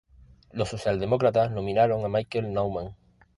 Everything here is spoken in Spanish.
Los socialdemócratas nominaron a Michael Naumann.